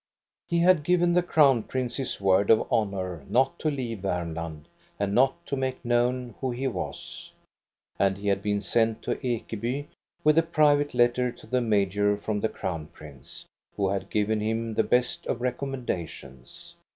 He had given the Crown Prince his word of honor not to leave Varmland and not to make known who 248 THE STORY OF GO ST A BERLING he was. And he had been sent to Ekeby with a pri vate letter to the major from the Crown Prince, who had given him the best of recommendations.